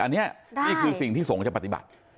อันนี้นี่คือสิ่งที่สงฆ์จะปฏิบัติ